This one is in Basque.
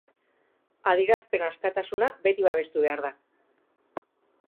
Adierazpen askatasuna beti babestu behar da.